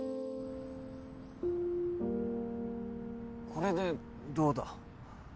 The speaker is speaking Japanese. これでどうだ？